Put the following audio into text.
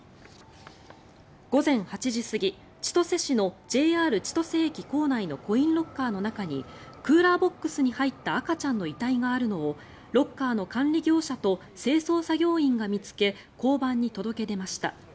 午前８時すぎ、千歳市のＪＲ千歳駅構内のコインロッカーの中にクーラーボックスに入った赤ちゃんの遺体があるのをロッカーの管理業者と清掃作業員が見つけ交番に届け出ました。